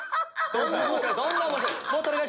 どんどん面白い。